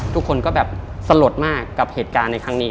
ทุกคนก็แบบสลดมากกับเหตุการณ์ในครั้งนี้